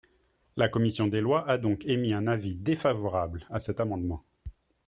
La commission des lois a donc émis un avis défavorable à cet amendement.